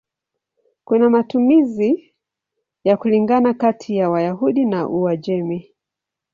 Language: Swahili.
Kuna matumizi ya kulingana kati ya Wayahudi wa Uajemi.